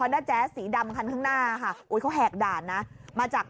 ลงล่างรถไฟมาครับลงล่างรถไฟมาครับลงล่างรถไฟมาครับ